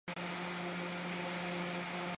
波希米亚人改编脚本。